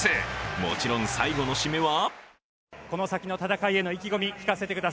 もちろん最後の締めは？